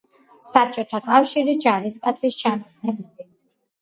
საბჭოთა კავშირის ჯარისკაცის ჩანაწერები.